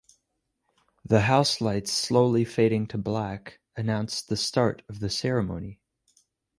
The house lights slowly fading to black, announced the start of the ceremony.